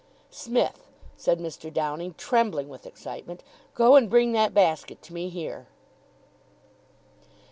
"Smith," said Mr. Downing, trembling with excitement, "go and bring that basket to me here."